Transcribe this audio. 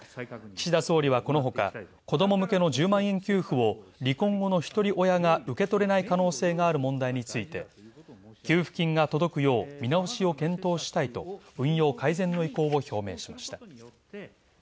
岸田総理はこのほか、子ども向けの１０万円給付を離婚後のひとり親が受け取れない可能性がある問題について給付金が届くよう見直しを検討したいと運用改善の意向を表明しました。